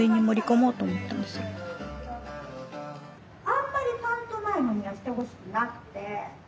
あんまりパントマイムにはしてほしくなくて。